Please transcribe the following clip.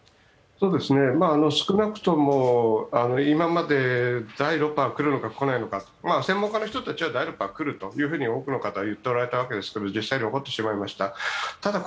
少なくとも今まで第６波が来るのか来ないのか、専門家の人たちは第６波来ると多くの方は言っておられたわけです毛、実際に起こってしまいました。